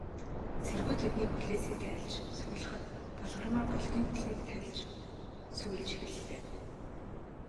Цэргүүд тэдний хүлээсийг тайлж, сувилахад, Балгармаа Болдын хүлгийг тайлж сувилж эхэллээ.